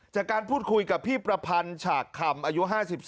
จากการพูดคุยกับพี่ประพันธ์ฉากคำอายุ๕๓